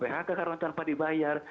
berapa harga karun tanpa dibayar